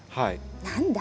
何だ。